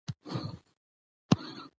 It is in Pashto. متل: